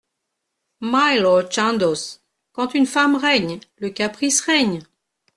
My Lord Chandos , quand une femme règne, le caprice règne.